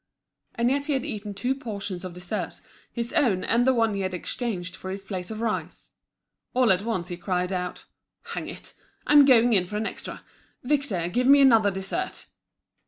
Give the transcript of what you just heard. And yet he had eaten two portions of dessert, his own and the one he had exchanged for his plate of rice. All at once he cried out: "Hang it, I'm going in for an extra! Victor, give me another dessert!"